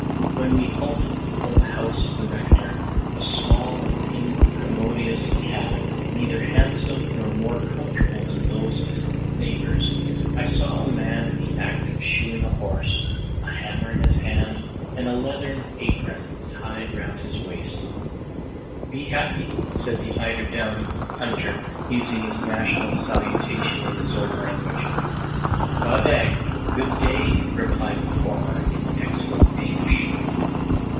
When we halted before the house of the Rector, a small and incommodious cabin, neither handsome nor more comfortable than those of his neighbors, I saw a man in the act of shoeing a horse, a hammer in his hand, and a leathern apron tied round his waist. "Be happy," said the eider down hunter, using his national salutation in his own language. "God dag good day!" replied the former, in excellent Danish.